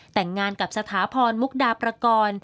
แต่งงานกับสถาพรมุกดาประกอบ